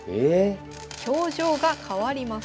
表情が変わります。